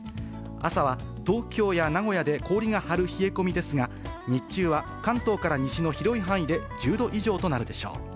朝は東京や名古屋で氷が張る冷え込みですが、日中は関東から西の広い範囲で１０度以上となるでしょう。